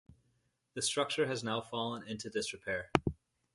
The structure has now fallen into disrepair.